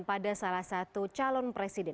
pada salah satu calon presiden